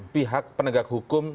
pihak penegak hukum